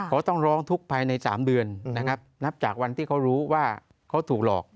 เขาต้องร้องทุกข์ภายใน๓เดือนนะครับนับจากวันที่เขารู้ว่าเขาถูกหลอก